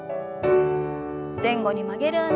前後に曲げる運動です。